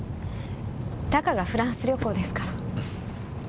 たかがフランス旅行ですから。